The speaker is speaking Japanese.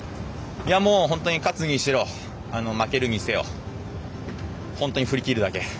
本当に勝つにしろ負けるにせよ本当に振り切るだけ。